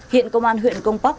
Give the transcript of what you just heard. hiện công an huyện công bắc